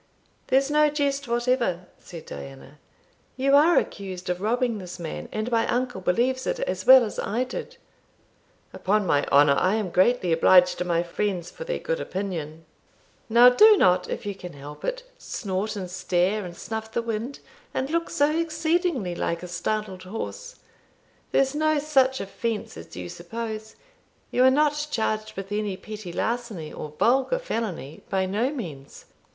"There's no jest whatever," said Diana; "you are accused of robbing this man, and my uncle believes it as well as I did." "Upon my honour, I am greatly obliged to my friends for their good opinion!" "Now do not, if you can help it, snort, and stare, and snuff the wind, and look so exceedingly like a startled horse There's no such offence as you suppose you are not charged with any petty larceny or vulgar felony by no means.